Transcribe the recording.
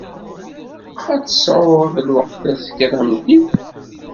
Ad tesɛuḍ lweqt azekka tameddit?